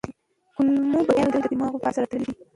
کولمو بکتریاوې د دماغ فعالیت سره تړلي دي.